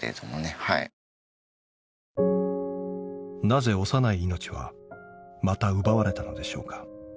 なぜ幼い命はまた奪われたのでしょうか。